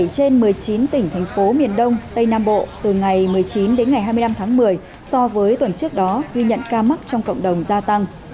bảy trên một mươi chín tỉnh thành phố miền đông tây nam bộ từ ngày một mươi chín đến ngày hai mươi năm tháng một mươi so với tuần trước đó ghi nhận ca mắc trong cộng đồng gia tăng